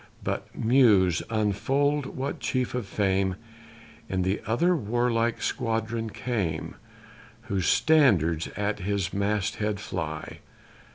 But, muse, unfold what chief of fame In the other warlike squadron came, Whose standards at his mast head fly.